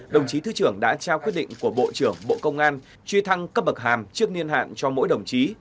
đồng chí thứ trưởng đã trao quyết định của bộ trưởng bộ công an truy thăng cấp bậc hàm trước niên hạn cho mỗi đồng chí